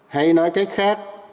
hay nói cách khác